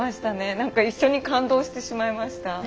何か一緒に感動してしまいました。